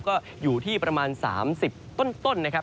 ก็อยู่ที่ประมาณ๓๐ต้นนะครับ